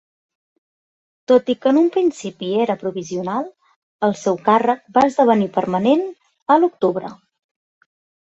Tot i que en un principi era provisional, el seu càrrec va esdevenir permanent a l'octubre.